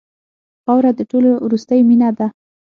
خاوره د ټولو وروستۍ مینه ده.